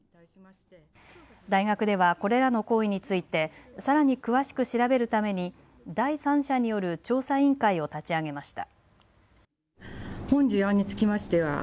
大学ではこれらの行為についてさらに詳しく調べるために第三者による調査委員会を立ち上げました。